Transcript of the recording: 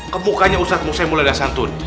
kebukanya ustadz musay mulai dah santun